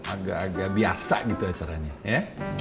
agak agak biasa gitu acaranya ya